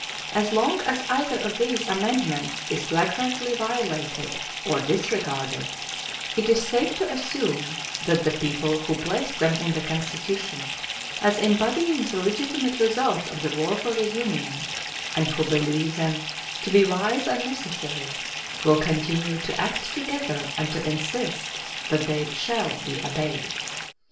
As long as either of these amendments is flagrantly violated or disregarded, it is safe to assume that the people who placed them in the Constitution, as embodying the legitimate results of the war for the Union, and who believe them to be wise and necessary, will continue to act together and to insist that they shall be obeyed.